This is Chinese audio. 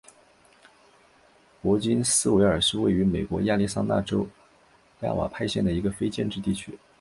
珀金斯维尔是位于美国亚利桑那州亚瓦派县的一个非建制地区。